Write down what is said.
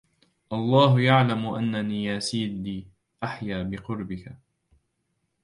الله يعلم أنني يا سيدي أحيا بقربك